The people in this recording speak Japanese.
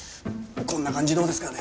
こんな感じどうですかね？